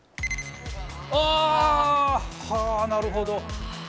ああ！はなるほど！